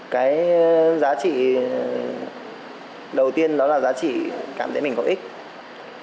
cái giá trị đầu tiên đó là giá trị cảm thấy mình có ích